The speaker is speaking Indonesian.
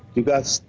juga setelah tertutup